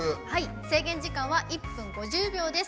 制限時間は１分５０秒です。